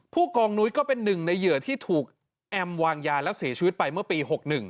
ผู้กองนุ้ยก็เป็นหนึ่งในเหยื่อที่ถูกแอมวางยาและเสียชีวิตไปเมื่อปี๖๑